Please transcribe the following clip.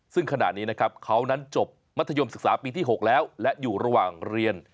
ซึ่งขณะนี้นะครับเขานั้นจบมัธยมศึกษาปีที่๖แล้วและอยู่ระหว่างเรียน